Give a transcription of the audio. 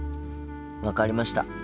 分かりました。